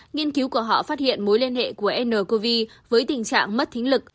nghiên cứu của họ phát hiện mối liên hệ của ncov với tình trạng mất thính lực